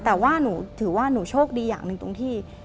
แต่ว่าหนูถือว่าหนูโชคดีอย่างหนึ่งตรงที่